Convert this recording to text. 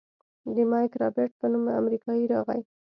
د مايک رابرټ په نوم امريکايي راغى.